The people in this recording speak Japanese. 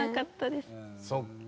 そっか。